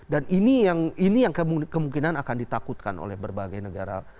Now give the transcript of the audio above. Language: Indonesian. dan ini yang kemungkinan akan ditakutkan oleh berbagai negara